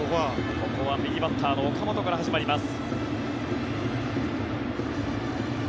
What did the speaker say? ここは右バッターの岡本から始まります。